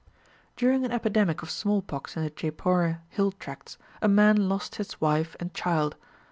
During an epidemic of smallpox in the Jeypore hill tracts, a man lost his wife and child.